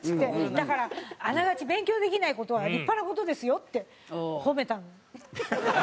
だからあながち「勉強できない事は立派な事ですよ」って褒めたの。